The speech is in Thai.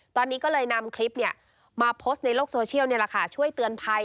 ตอนนี้ก็เลยนำคลิปมาโพสต์ในโลกโซเชียลช่วยเตือนภัย